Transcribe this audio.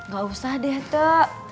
gak usah deh teh